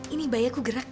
ini bayi aku gerak